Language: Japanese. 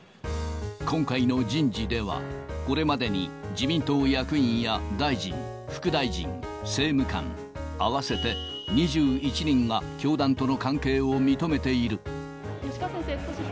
今回の人事では、これまでに自民党役員や大臣、副大臣、政務官、合わせて２１人が教団との関係を認めている。